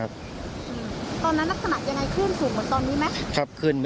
ครับขึ้นเหมือนอัศนาจารย์นี้นะครับขึ้นแรงพายุก็เขาครับลมแรงครับ